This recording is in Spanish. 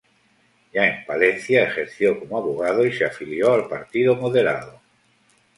Ya en Palencia, ejerció como abogado y se afilió al Partido Moderado.